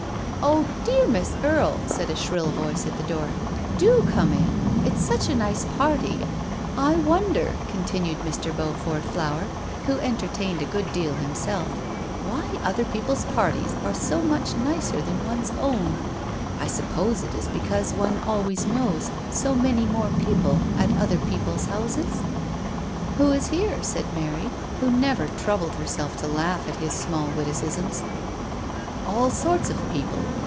" Oh, dear Miss Erie," said a high voice at the door, " do come in. It's such a nice party. THE WORLD WAGS ON. 283 I wonder," continued the pale faced boy, who entertained a good deal himself, " why other people's parties are so much nicer than one's own ? I suppose it is because one always knows so many more people* at other people's houses !"" Who's here ?" asked Mary, who never troubled herself to laugh at his small witti cisms. "All sorts of pretty people.